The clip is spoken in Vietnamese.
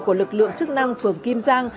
của lực lượng chức năng phường kim giang